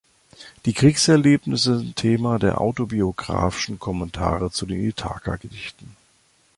Die Kriegserlebnisse sind Thema der autobiographischen "Kommentare" zu den Ithaka-Gedichten.